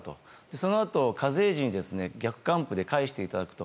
そのあと、課税時に逆還付で返していただくと。